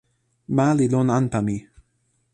ma li lon anpa mi.